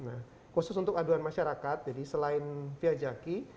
nah khusus untuk aduan masyarakat jadi selain via jaki